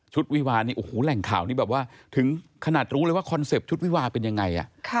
ชุดวิวานี่เห้ยหูวแหล่งข่าวถึงรู้เลยว่าคอนเซ็ปต์ชุดวิวาเป็นอยังไง